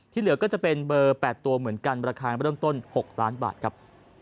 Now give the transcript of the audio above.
เหลือก็จะเป็นเบอร์๘ตัวเหมือนกันราคาเริ่มต้น๖ล้านบาทครับ